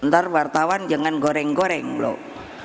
ntar wartawan jangan goreng goreng blok